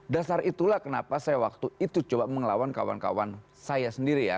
dasar itulah kenapa saya waktu itu coba mengelawan kawan kawan saya sendiri ya